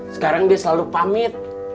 sekarang dia selalu pamit